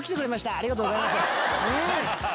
ありがとうございます。